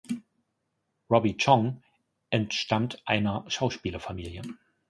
Robbi Chong entstammt einer Schauspielerfamilie.